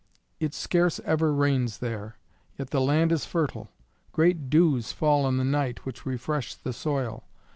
It scarce ever rains there, yet the land is fertile; great dews fall in the night which refresh the soil.